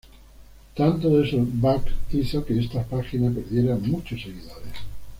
Tanto de esos "bugs" hizo que esta página perdiera muchos seguidores.